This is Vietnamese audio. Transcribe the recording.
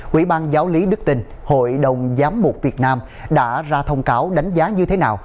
quỹ ban giáo lý đức tình hội đồng giám mục việt nam đã ra thông cáo đánh giá như thế nào